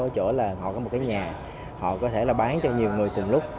ở chỗ là họ có một cái nhà họ có thể là bán cho nhiều người từng lúc